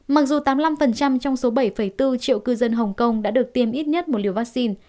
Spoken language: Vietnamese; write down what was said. mặc dù tám mươi năm trong số bảy bốn triệu cư dân hồng kông đã được tiêm ít nhất một liều vaccine